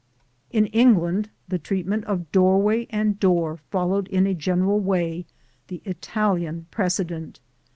In England the treatment of doorway and door followed in a general way the Italian precedent.